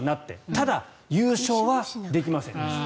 ただ、優勝はできませんでした。